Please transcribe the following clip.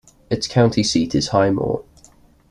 Its county seat is Highmore.